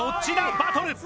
バトル。